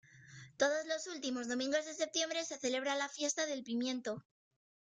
Todos los últimos domingos de septiembre se celebra la fiesta del Pimiento.